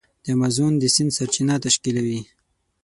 د امازون د سیند سرچینه تشکیلوي.